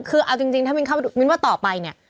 คือเอาจริงถ้ามินว่าต่อไปเนี่ย